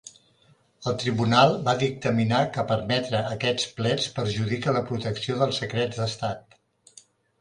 El tribunal va dictaminar que permetre aquests plets perjudica la protecció dels secrets d'estat.